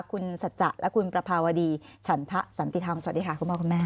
คุณสัจจะและคุณประภาวดีฉันทะสันติธรรมสวัสดีค่ะคุณพ่อคุณแม่